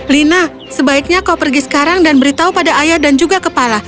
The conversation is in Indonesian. lina sebaiknya kau pergi sekarang dan beritahu pada ayah dan juga kepala